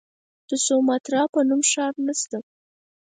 د سوماټرا په نوم ښار نسته.